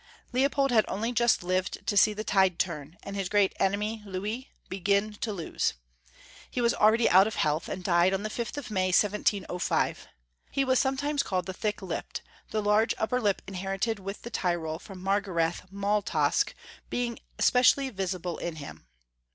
Leopold had only just lived to see the tide turn, and his great enemy, Louis, begin to lose. He was already out of health, and died on the 5th of May, 1705. He was sometimes called the Thick lipped, the large upper lip inherited with the Tyrol from 376 Young Folks^ History of 0 ermany, Maxgarethe Maultasch being specially visible in him.